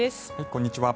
こんにちは。